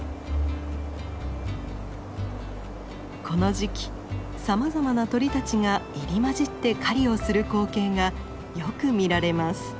この時期さまざまな鳥たちが入り交じって狩りをする光景がよく見られます。